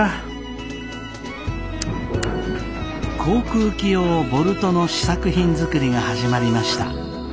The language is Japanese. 航空機用ボルトの試作品作りが始まりました。